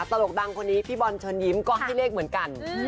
ตลกดังคนนี้พี่บอลเชิญยิ้มก็ให้เลขเหมือนกัน